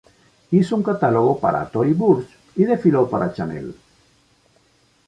Hizo un catálogo para Tory Burch y desfiló para Chanel.